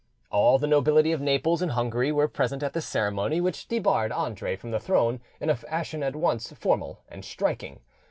All the nobility of Naples and Hungary were present at this ceremony, which debarred Andre from the throne in a fashion at once formal and striking.